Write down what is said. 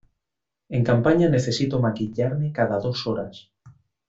En campaña necesito maquillarme cada dos horas.